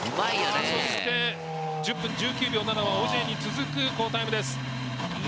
そして１０分１９秒７はオジエに続く好タイムです。